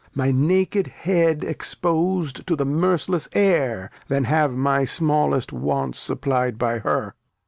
My naked Head expos'd to th' merc'less Air, Than have my smallest Wants supply'd by her.